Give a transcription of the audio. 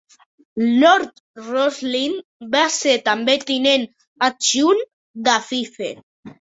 Lord Rosslyn va ser també tinent adjunt de Fife.